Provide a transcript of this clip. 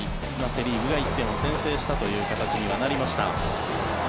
セ・リーグが１点を先制したという形になりました。